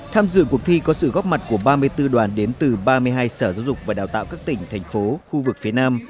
tham dự cuộc thi có sự góp mặt của ba mươi bốn đoàn đến từ ba mươi hai sở giáo dục và đào tạo các tỉnh thành phố khu vực phía nam